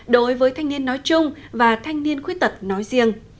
đối với thanh niên nói chung và thanh niên khuyết tật nói riêng